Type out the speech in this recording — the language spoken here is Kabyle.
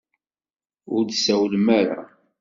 Ur d-tsawlem ara.